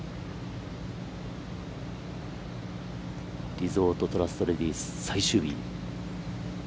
リゾートトラストレディス最終日。